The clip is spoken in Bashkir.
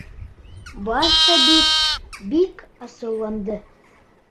Баш табип бик асыуланды.